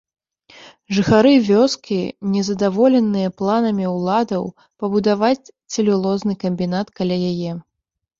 Жыхары вёскі незадаволеныя планамі ўладаў пабудаваць цэлюлозны камбінат каля яе.